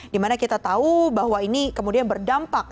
dimana kita tahu bahwa ini kemudian berdampak